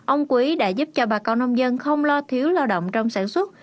ông quý đã giúp cho bà con nông dân không lo thiếu lao động trong sản xuất